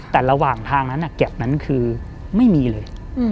แต่ระหว่างทางนั้นเก็บนั้นคือไม่มีเลย